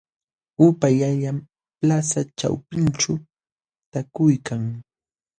Upaallallaam plaza ćhawpinćhu taakuykan.